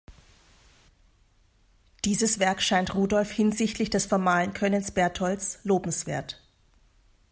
Dieses Werk scheint Rudolf hinsichtlich des formalen Könnens Bertholds lobenswert.